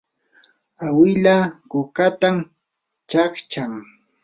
awila kukatan chaqchan.